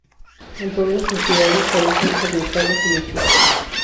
En pueblos y ciudades habitan cernícalos y lechuzas.